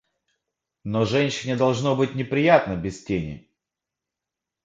Но женщине должно быть неприятно без тени.